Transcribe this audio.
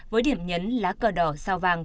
với điểm nhấn lá cờ đỏ sao vàng